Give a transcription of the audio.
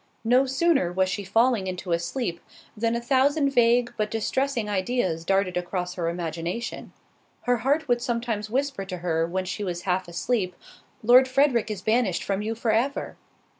No sooner was she falling into a sleep, than a thousand vague, but distressing, ideas darted across her imagination. Her heart would sometimes whisper to her when she was half asleep, "Lord Frederick is banished from you for ever."